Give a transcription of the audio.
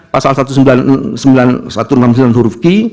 pasal satu ratus sembilan puluh sembilan huruf ki